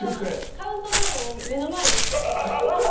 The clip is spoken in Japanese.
カウントダウンを目の前でしちゃう。